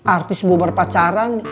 artis bu berpacaran